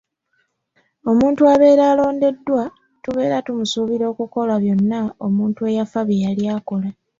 Omuntu abeera alondeddwa tubeera tumusuubira okukola byonna omuntu eyafa bye yali akola.